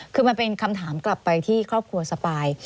คือมันเป็นคำถามกลับไปที่ครอบครัวสปาย